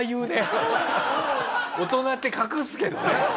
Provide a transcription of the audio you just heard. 大人って隠すけどね。